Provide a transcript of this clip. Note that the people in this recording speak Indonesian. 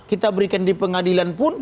kita berikan di pengadilan pun